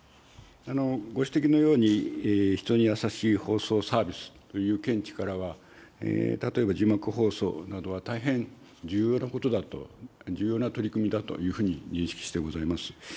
ご指摘のように、人にやさしい放送・サービスという見地からは、例えば字幕放送などは大変重要なことだと、重要な取り組みだというふうに認識してございます。